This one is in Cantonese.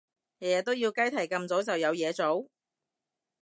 日日都要雞啼咁早就有嘢做？